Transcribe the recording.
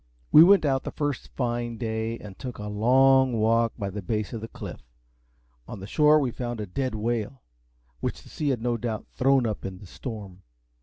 We went out the first fine day, and took a long walk by the base of the cliff. On the shore we found a dead whale, which the sea had no doubt thrown up in the storm.